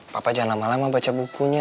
papa jangan lama lama baca bukunya